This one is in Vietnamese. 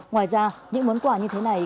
ngoài ra những món quà như thế này